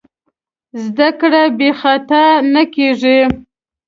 زدهکړه بېخطا نه کېږي.